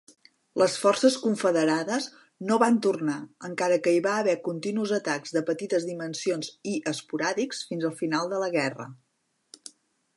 Les forces confederades no van tornar, encara que hi va haver continus atacs de petites dimensions i esporàdics fins el final de la guerra.